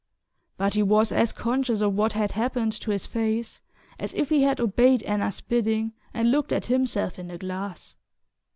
But he was as conscious of what had happened to his face as if he had obeyed Anna's bidding and looked at himself in the glass.